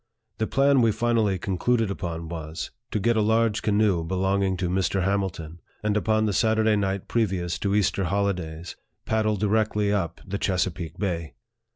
The plan we finally concluded upon was, to get a large canoe belonging to Mr. Hamilton, and upon the Saturday night previous to Easter holidays, paddle di rectly up the Chesapeake Bay.